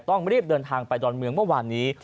ต้องรีบเดินทางไปดอนเมืองเมื่อวานนี้